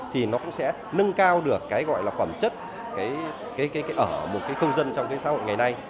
thì nó cũng sẽ nâng cao được cái gọi là phẩm chất ở một cái công dân trong cái xã hội ngày nay